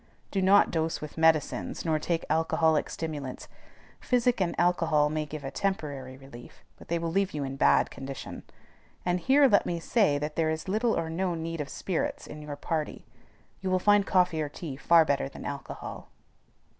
Do not dose with medicines, nor take alcoholic stimulants. Physic and alcohol may give a temporary relief, but they will leave you in bad condition. And here let me say that there is little or no need of spirits in your party. You will find coffee or tea far better than alcohol.